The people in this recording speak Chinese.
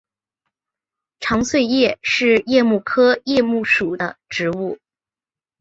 长穗桦是桦木科桦木属的植物。